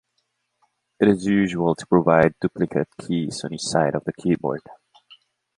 It is usual to provide duplicate keys on each side of the keyboard.